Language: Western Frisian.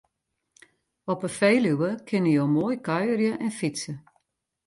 Op 'e Feluwe kinne jo moai kuierje en fytse.